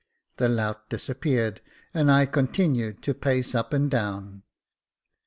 The lout disappeared, and I continued to pace up and down.